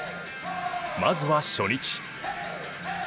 まずは初日。